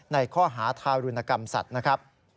ในข้อหาทารุณกรรมสัตว์นะครับ